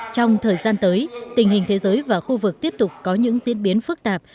trong thời gian tới tình hình thế giới và khu vực tiếp tục có những diễn biến phức tạp